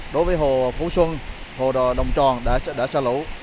đối với hồ phú xuân hồ đồng tròn đã xả lũ